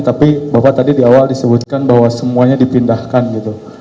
tapi bapak tadi di awal disebutkan bahwa semuanya dipindahkan gitu